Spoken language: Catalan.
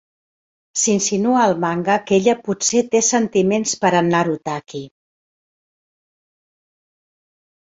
S'insinua al manga que ella potser té sentiments per en Narutaki.